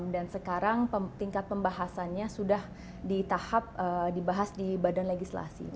dan sekarang tingkat pembahasannya sudah di tahap dibahas di badan legislasi